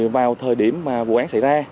vào thời điểm mà vụ án xảy ra